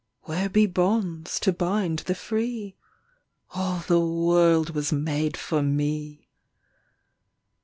. Where be bonds to bind the free? All the world was made for me